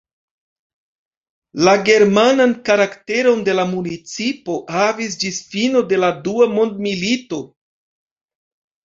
La germanan karakteron la municipo havis ĝis fino de la dua mondmilito.